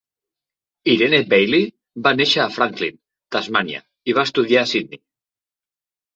Irene Bailey va néixer a Franklin, Tasmània, i va estudiar a Sydney.